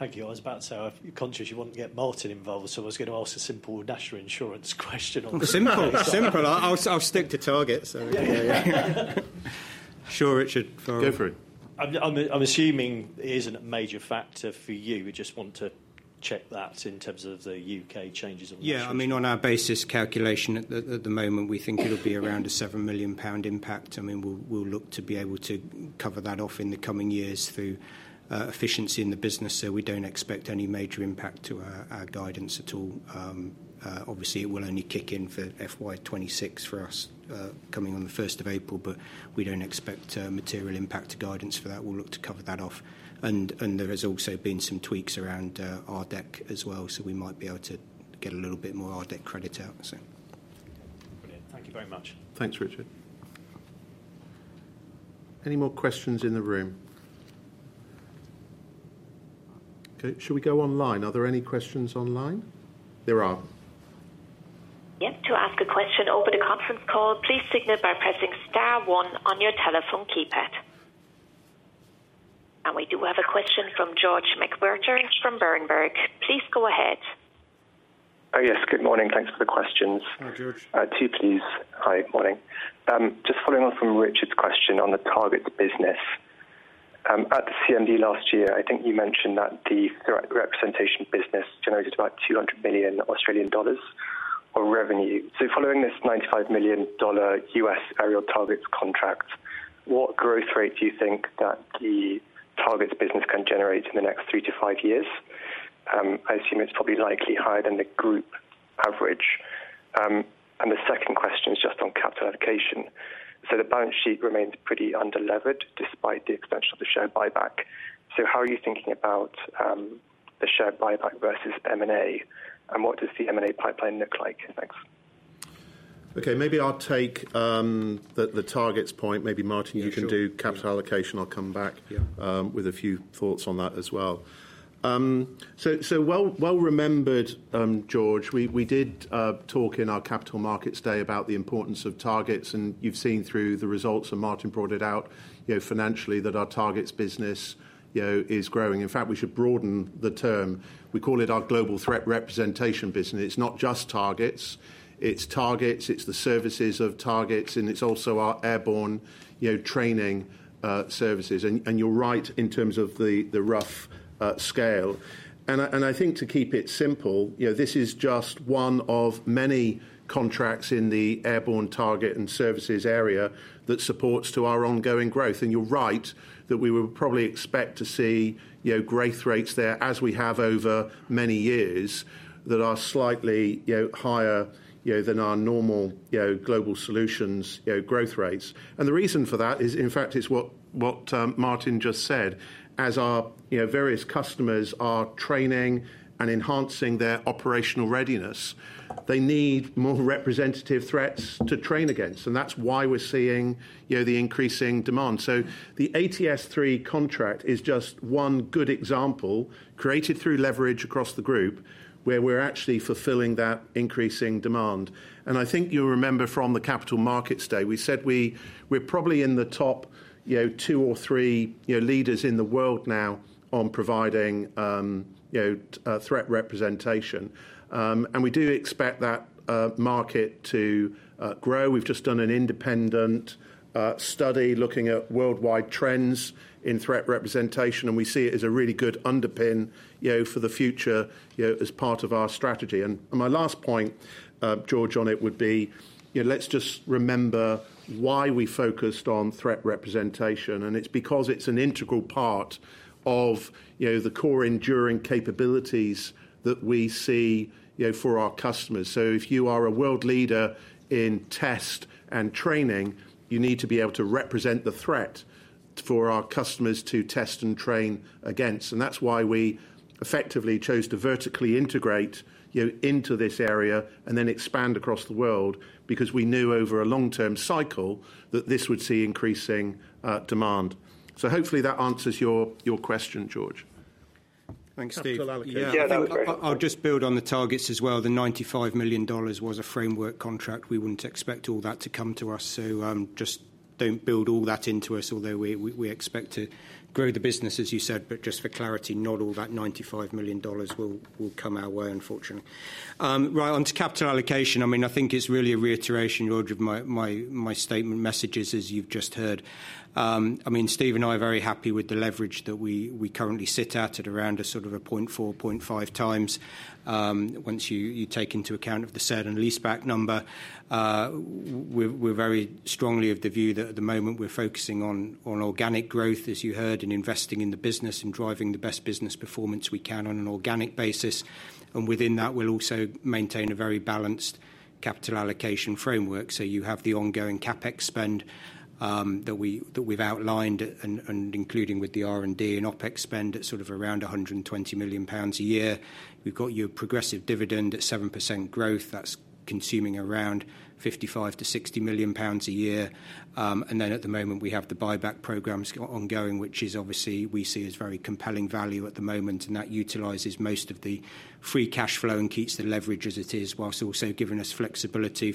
[SPEAKER 7] Thank you. I was about to say, I'm conscious you want to get Martin involved, so I was going to ask a simple National Insurance question. Simple, simple. I'll stick to targets. Sure, Richard. Go for it. I'm assuming it isn't a major factor for you. We just want to check that in terms of the UK changes on the insurance.
[SPEAKER 2] Yeah, I mean, on our basis calculation at the moment, we think it'll be around a £7 million impact. I mean, we'll look to be able to cover that off in the coming years through efficiency in the business. So we don't expect any major impact to our guidance at all. Obviously, it will only kick in for FY 2026 for us coming on the 1st of April, but we don't expect material impact to guidance for that. We'll look to cover that off. And there has also been some tweaks around RDEC as well, so we might be able to get a little bit more RDEC credit out, so.
[SPEAKER 7] Brilliant. Thank you very much.
[SPEAKER 2] Thanks, Richard.
[SPEAKER 1] Any more questions in the room? Okay, should we go online? Are there any questions online? There are.
[SPEAKER 8] Yep. To ask a question over the conference call, please signal by pressing star one on your telephone keypad. And we do have a question from George McWhirter from Berenberg. Please go ahead.
[SPEAKER 9] Yes, good morning. Thanks for the questions. Hi, George. Go ahead, please. Hi, morning. Just following on from Richard's question on the target business. At CMD last year, I think you mentioned that the threat representation business generated about 200 million Australian dollars of revenue. So following this $95 million US aerial targets contract, what growth rate do you think that the targets business can generate in the next three to five years? I assume it's probably likely higher than the group average. And the second question is just on capital allocation. So the balance sheet remains pretty underlevered despite the extension of the share buyback. So how are you thinking about the share buyback versus M&A? And what does the M&A pipeline look like? Thanks.
[SPEAKER 2] Okay, maybe I'll take the targets point. Maybe Martin, you can do capital allocation. I'll come back with a few thoughts on that as well. So, well remembered, George. We did talk in our Capital Markets Day about the importance of targets. And you've seen through the results and Martin brought it out financially that our targets business is growing. In fact, we should broaden the term. We call it our global threat representation business. It's not just targets. It's targets. It's the services of targets. And it's also our airborne training services. And you're right in terms of the rough scale. And I think to keep it simple, this is just one of many contracts in the airborne target and services area that supports our ongoing growth. And you're right that we would probably expect to see growth rates there as we have over many years that are slightly higher than our normal global solutions growth rates. And the reason for that is, in fact, it's what Martin just said. As our various customers are training and enhancing their operational readiness, they need more representative threats to train against. And that's why we're seeing the increasing demand. So the ATS-3 contract is just one good example created through leverage across the group where we're actually fulfilling that increasing demand. And I think you'll remember from the Capital Markets Day, we said we're probably in the top two or three leaders in the world now on providing threat representation. And we do expect that market to grow. We've just done an independent study looking at worldwide trends in threat representation. And we see it as a really good underpin for the future as part of our strategy. And my last point, George, on it would be let's just remember why we focused on threat representation. And it's because it's an integral part of the core enduring capabilities that we see for our customers. So if you are a world leader in test and training, you need to be able to represent the threat for our customers to test and train against. And that's why we effectively chose to vertically integrate into this area and then expand across the world because we knew over a long-term cycle that this would see increasing demand. So hopefully that answers your question, George.
[SPEAKER 9] Thanks, Steve. Yeah, that was great.
[SPEAKER 3] I'll just build on the targets as well. The $95 million was a framework contract. We wouldn't expect all that to come to us. So just don't build all that into us, although we expect to grow the business, as you said. But just for clarity, not all that $95 million will come our way, unfortunately. Right, onto capital allocation. I mean, I think it's really a reiteration, George, of my statement messages, as you've just heard. I mean, Steve and I are very happy with the leverage that we currently sit at around a sort of a 0.4-0.5 times once you take into account the sale and leaseback number. We're very strongly of the view that at the moment we're focusing on organic growth, as you heard, and investing in the business and driving the best business performance we can on an organic basis. And within that, we'll also maintain a very balanced capital allocation framework. So you have the ongoing CapEx spend that we've outlined and including with the R&D and OpEx spend at sort of around 120 million pounds a year. We've got your progressive dividend at 7% growth. That's consuming around 55-60 million pounds a year. And then at the moment, we have the buyback programs ongoing, which is obviously we see as very compelling value at the moment. And that utilizes most of the free cash flow and keeps the leverage as it is, whilst also giving us flexibility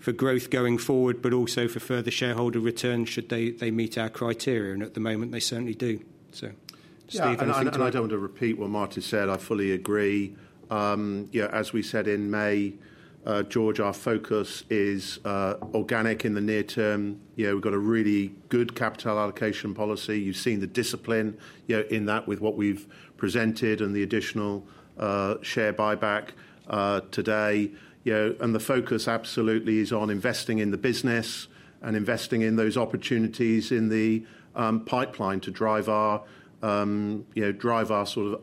[SPEAKER 3] for growth going forward, but also for further shareholder returns should they meet our criteria. And at the moment, they certainly do. So,
[SPEAKER 9] Steve, anything?
[SPEAKER 2] And I don't want to repeat what Martin said. I fully agree. As we said in May, George, our focus is organic in the near term. We've got a really good capital allocation policy. You've seen the discipline in that with what we've presented and the additional share buyback today. And the focus absolutely is on investing in the business and investing in those opportunities in the pipeline to drive our sort of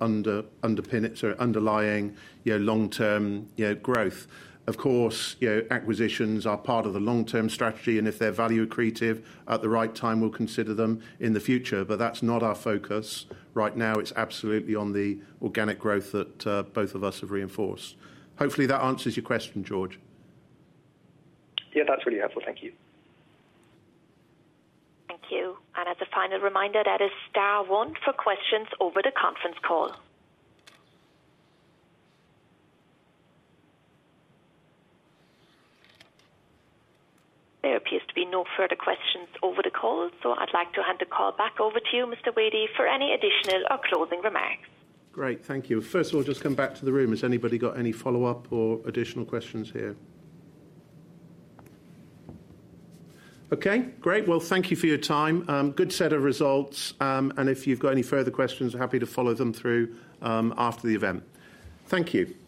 [SPEAKER 2] underlying long-term growth. Of course, acquisitions are part of the long-term strategy. And if they're value accretive at the right time, we'll consider them in the future. But that's not our focus right now. It's absolutely on the organic growth that both of us have reinforced. Hopefully, that answers your question, George.
[SPEAKER 9] Yeah, that's really helpful. Thank you.
[SPEAKER 8] Thank you. And as a final reminder, that is star one for questions over the conference call. There appears to be no further questions over the call. So I'd like to hand the call back over to you, Mr. Wadey, for any additional or closing remarks.
[SPEAKER 2] Great. Thank you. First of all, just come back to the room. Has anybody got any follow-up or additional questions here? Okay, great. Thank you for your time. Good set of results. If you've got any further questions, happy to follow them through after the event. Thank you. Thank you.